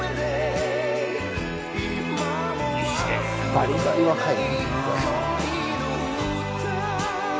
バリバリ若い。